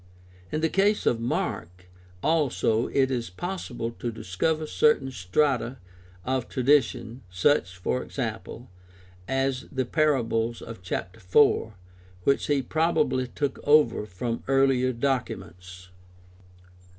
In the case of Mark also it is possible to discover certain strata of tradition, such, for example, as the parables of chap. 4, which he probably took over from earHer documents.